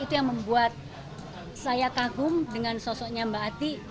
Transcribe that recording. itu yang membuat saya kagum dengan sosoknya mbak ati